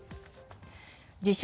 自称・